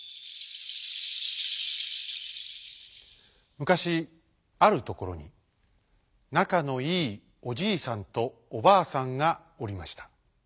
むかしあるところになかのいいおじいさんとおばあさんがおりました。